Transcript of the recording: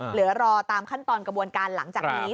เหลือรอตามขั้นตอนกระบวนการหลังจากนี้